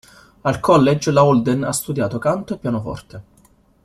Al college, la Holden ha studiato canto e pianoforte.